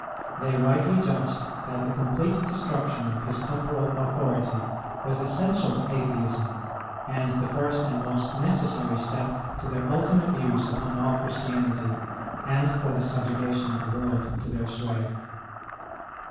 They rightly judged that the complete destruc tion of his temporal authority was essential to Atheism, and the first and most necessary step to their ultimate views upon all Christianity, and for the subjugation of the world to their sway.